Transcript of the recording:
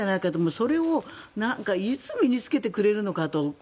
それをいつ身に着けてくれるのかと。